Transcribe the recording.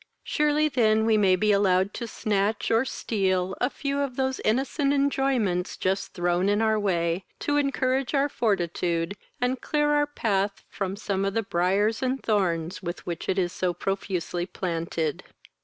Surely then we may be allowed to snatch, or steal, a few of those innocent enjoyments just thrown in our way, to encourage our fortitude, and clear our path from some of the briars and thorns with which it is so profusely planted.